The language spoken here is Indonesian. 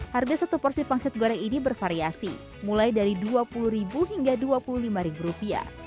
harga satu porsi pangsit goreng ini bervariasi mulai dari rp dua puluh hingga rp dua puluh lima